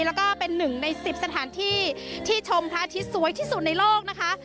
แล้วก็เป็นหนึ่งใน๑๐สถานที่ที่ชมพระอาทิตย์สวยที่สุดในโลกนะคะ